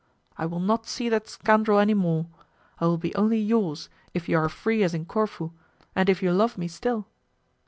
I will not see that scoundrel any more. I will be only yours, if you are free as in Corfu, and if you love me still."